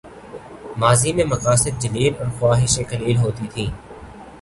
ماضی میں مقاصد جلیل اور خواہشیں قلیل ہوتی تھیں۔